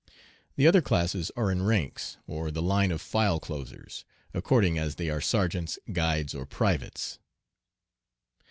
The other classes are in ranks, or the line of file closers, according as they are sergeants, guides, or privates.